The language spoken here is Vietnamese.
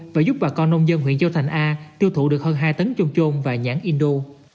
và giúp bà con nông dân huyện châu thành a tiêu thụ được hơn hai tấn chôm trôn và nhãn indo